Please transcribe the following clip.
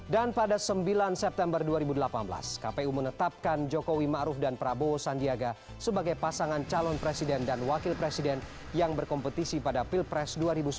dan pada sembilan september dua ribu delapan belas kpu menetapkan jokowi ma'ruf dan prabowo sandiaga sebagai pasangan calon presiden dan wakil presiden yang berkompetisi pada pilpres dua ribu sembilan belas